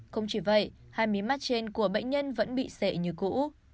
không chỉ vậy hai miế mắt trên của bệnh nhân vẫn bị sệ như cũ